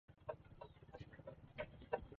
aa wakati tunapoongea na wewe muda huu